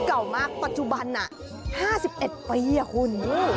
อุ้ยเก่ามากปัจจุบันน่ะ๕๑ปีอ่ะคุณ